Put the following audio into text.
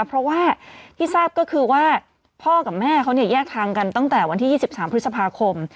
เพราะว่าที่ทราบก็คือว่าพ่อกับแม่เขาเนี่ยแยกทางกันตั้งแต่วันที่๒๓พฤษภาคม